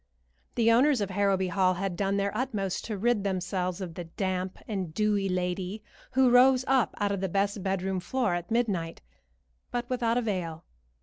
The owners of Harrowby Hall had done their utmost to rid themselves of the damp and dewy lady who rose up out of the best bedroom floor at midnight, but without avail.